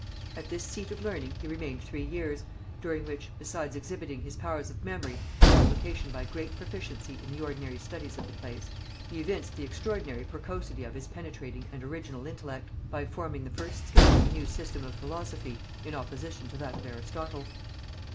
At this seat of learning he remained three years, during which, besides exhibiting his powers of memory and application by great proficiency in the ordinary studies of the place, he evinced the extraordinary precocity of his penetrating and original intellect, by forming the first sketch of a new system of philosophy in opposition to that of Aristotle.